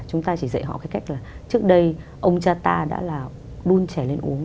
chúng ta chỉ dạy họ cái cách là trước đây ông cha ta đã là đun trẻ lên uống